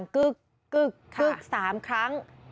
กึ๊ก๓ครั้ง